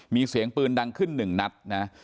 มีเสียงปืนดังขึ้นหนึ่งนัดนะ